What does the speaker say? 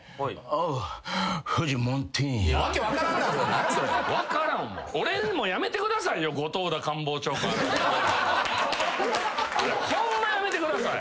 あれホンマやめてください。